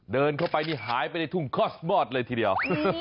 เดินเข้าไปนี่หายไปในทุ่งคอสมอสเลยทีเดียว